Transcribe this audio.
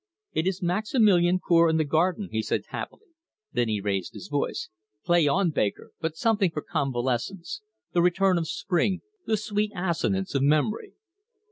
"It is Maximilian Cour in the garden," he said happily. Then he raised his voice. "Play on, baker; but something for convalescence the return of spring, the sweet assonance of memory."